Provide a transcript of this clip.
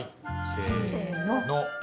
せの。